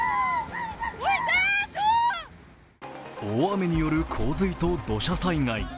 大雨による洪水と土砂災害。